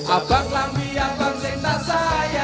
apakah pilihan yang saksa